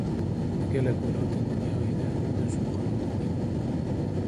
Di gelek welatên dinyayê de, bi du zimanan dixwînin